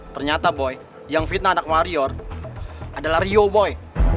ternyata boy yang fitnah anak wario adalah ryo boy